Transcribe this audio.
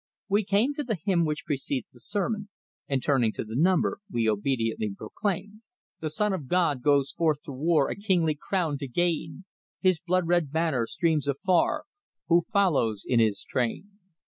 We came to the hymn which precedes the sermon, and turning to the number, we obediently proclaimed: The Son of God goes forth to war A kingly crown to gain: His blood red banner streams afar: Who follows in His train?